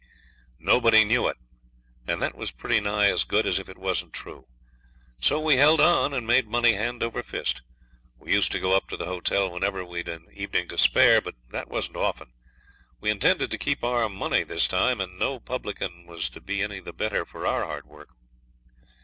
Nobody knew it, and that was pretty nigh as good as if it wasn't true. So we held on, and made money hand over fist. We used to go up to the hotel whenever we'd an evening to spare, but that wasn't often. We intended to keep our money this time, and no publican was to be any the better for our hard work.